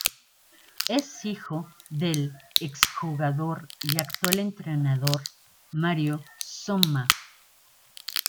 Es hijo del ex jugador y actual entrenador Mario Somma.